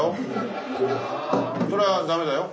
それはダメだよ。